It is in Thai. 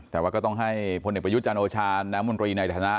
แต่ว่าก็ต้องให้พลเอกประยุทธ์จันโอชาน้ำมนตรีในฐานะ